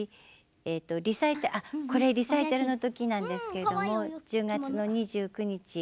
この写真はリサイタルの時なんですけれど１０月の２９日